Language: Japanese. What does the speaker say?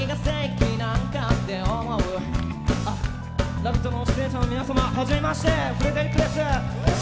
「ラヴィット！」の出演者の皆様、はじめまして、フレデリックです。